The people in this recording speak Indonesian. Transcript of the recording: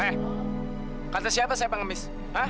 hei kata siapa saya pengamis